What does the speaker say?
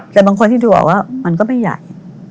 แต่บางคนที่ดูออกว่ามันก็ไม่ใหญ่